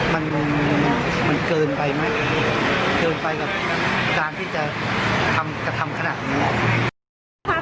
มันเกินไปกับการที่จะทำกระทำขนาดนี้